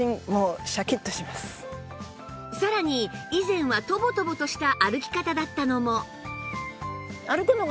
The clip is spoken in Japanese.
さらに以前はトボトボとした歩き方だったのも